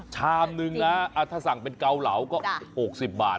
ชามนึงนะถ้าสั่งเป็นเกาเหลาก็๖๐บาท